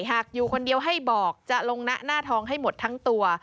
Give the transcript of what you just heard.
หากอยู่คนเดียวให้บอกจะลงนะหน้าทองให้หมดทั้งตัว